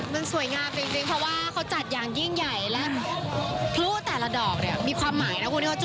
มันสวยงามจริงเพราะว่าเขาจัดอย่างยิ่งใหญ่และพลุแต่ละดอกเนี่ยมีความหมายนะคนที่เขาจุด